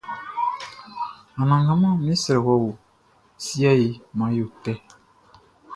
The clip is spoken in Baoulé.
Anangaman mi srɛ wɔ o, siɛ he man yo tɛ.